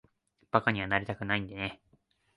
馬鹿にはなりたくないんでね。